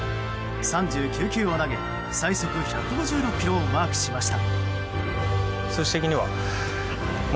３９球を投げ、最速１５６キロをマークしました。